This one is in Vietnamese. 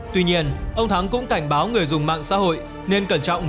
tuy nhiên ông thắng cũng cảnh báo người dùng mạng xã hội nên cẩn trọng